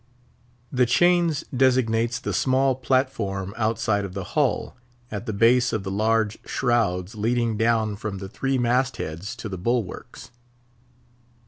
The chains designates the small platform outside of the hull, at the base of the large shrouds leading down from the three mast heads to the bulwarks.